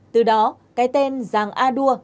từ đó cái tên giàng a đua